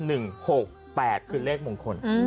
นางรำนั่นคือเลขมงคล